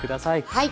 はい。